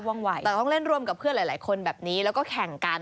แต่ต้องเล่นร่วมกับเพื่อนหลายคนแบบนี้แล้วก็แข่งกัน